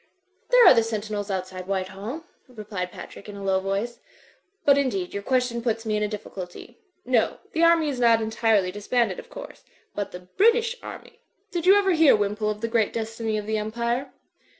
"There are the sentinels outside Whitehall," re plied Patrick, in a low voice. "But, indeed, your ques tion puts me in a difficulty. No; the army is not entirely disbanded, of course. But the British army —. Did you ever hear, Wimpole, of the great destiny of the Empire?"